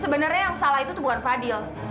sebenarnya yang salah itu bukan fadil